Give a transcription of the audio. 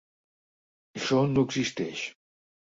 Això no existeix